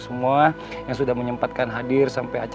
semua yang sudah menyempatkan hadir sampai acara